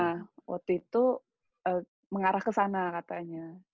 nah waktu itu mengarah ke sana katanya